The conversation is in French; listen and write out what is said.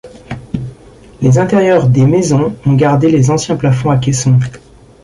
Les intérieurs des maisons ont gardé les anciens plafonds à caissons.